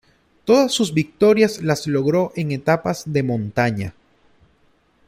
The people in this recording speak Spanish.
Todas sus victorias las logró en etapas de montaña.